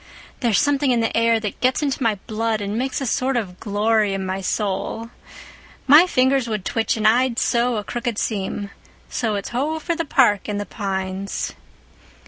There's something in the air that gets into my blood and makes a sort of glory in my soul. My fingers would twitch and I'd sew a crooked seam. So it's ho for the park and the pines."